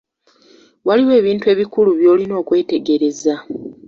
Waliwo ebintu ebikulu by'olina okwetegereza.